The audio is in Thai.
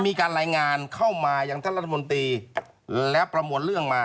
มีการรายงานเข้ามาอย่างท่านรัฐมนตรีและประมวลเรื่องมา